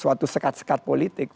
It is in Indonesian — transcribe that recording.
suatu sekat sekat politik